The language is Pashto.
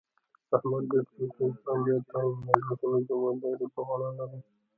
احمد ډېر ټوکي انسان دی، تل د مجلسونو جمعه داري په غاړه لري.